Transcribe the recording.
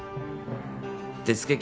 手付金